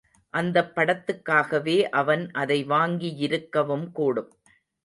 அந்தப் படத்துக்காகவே அவன் அதை வாங்கியிருக்கவும் கூடும்.